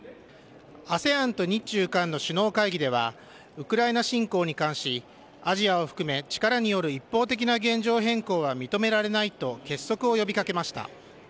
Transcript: ＡＳＥＡＮと日中韓の首脳会議ではウクライナ侵攻に関しアジアを含め力による一方的な現状変更は認められないと結束を呼び掛けました。